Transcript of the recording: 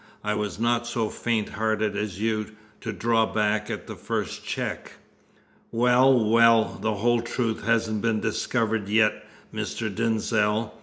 I was not so faint hearted as you, to draw back at the first check." "Well, well, the whole truth hasn't been discovered yet, Mr. Denzil.